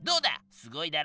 すごいだろ！